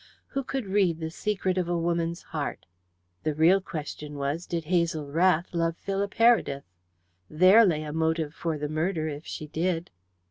Who could read the secret of a woman's heart? The real question was, did Hazel Rath love Philip Heredith? There lay a motive for the murder, if she did.